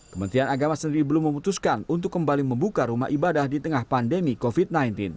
kementerian agama sendiri belum memutuskan untuk kembali membuka rumah ibadah di tengah pandemi covid sembilan belas